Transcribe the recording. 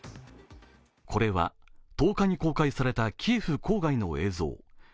これは、１０日に公開されたキエフ郊外の映像。